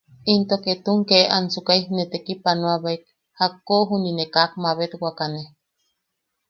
Into ketun ke ansukai ne tekipanoabaek jakko juniʼi ne kak mabetwakane.